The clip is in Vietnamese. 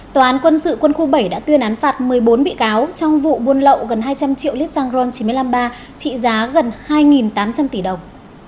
tòa án quân sự quân khu bảy đã tuyên án phạt một mươi bốn bị cáo trong vụ buôn lậu gần hai trăm linh triệu lít xăng ron chín trăm năm mươi ba trị giá gần hai tám trăm linh tỷ đồng